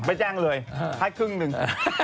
ไม่แจ้งเลยให้ครึ่งหนึ่ง